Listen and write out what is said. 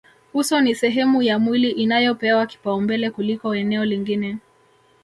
Uso ni sehemu ya mwili inayopewa kipaumbele kuliko eneo lingine